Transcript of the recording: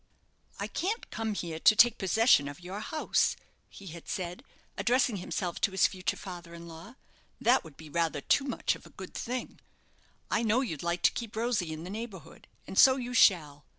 "I can't come here to take possession of your house," he had said, addressing himself to his future father in law; "that would be rather too much of a good thing. I know you'd like to keep Rosy in the neighbourhood, and so you shall.